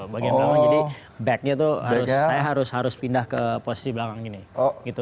bagian belakang jadi backnya tuh saya harus pindah ke posisi belakang gini